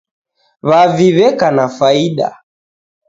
W'avi w'eka na faida